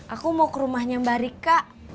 aku mau ke rumahnya mbak rika